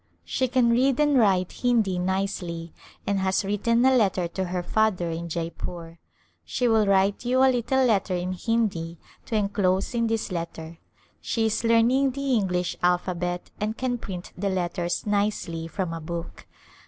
She can read and write Hindi nicely and has written a letter to her father in Jeypore. She will write you a little letter in Hindi to enclose in this let ter. She is learning the English alphabet and can print the letters nicely from a book.